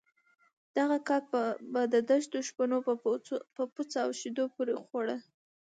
دغه کاک به د دښتو شپنو په پوڅه او شيدو پورې خوړ.